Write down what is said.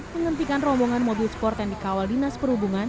menghentikan rombongan mobil sport yang dikawal dinas perhubungan